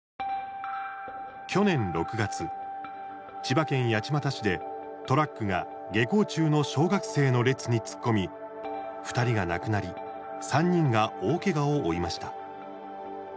去年６月千葉県八街市でトラックが下校中の小学生の列に突っ込み２人が亡くなり３人が大けがを負いました。